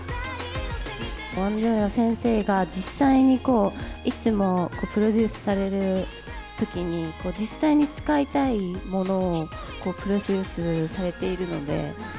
ウォン・ジョンヨ先生が実際にいつもプロデュースされるときに、実際に使いたいものをプロデュースされているので。